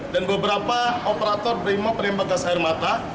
dan beberapa operator brimop rembang gas air mata